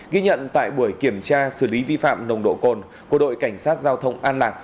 ghi nhận tại buổi kiểm tra xử lý vi phạm nồng độ cồn của đội cảnh sát giao thông an lạc